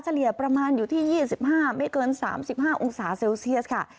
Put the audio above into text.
ประมาณอยู่ที่๒๕ไม่เกิน๓๕องศาเซลเซียสค่ะ